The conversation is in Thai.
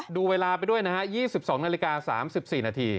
ดูเวลาไปด้วยนะคะยี่สิบสองนาฬิกาสามสิบสี่นาที